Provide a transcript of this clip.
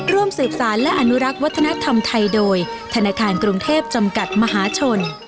ร่วมสืบสารและอนุรักษ์วัฒนธรรมไทยโดยธนาคารกรุงเทพจำกัดมหาชน